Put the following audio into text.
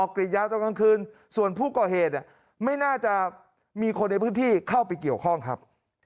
กรีดยาวตอนกลางคืนส่วนผู้ก่อเหตุไม่น่าจะมีคนในพื้นที่เข้าไปเกี่ยวข้องครับ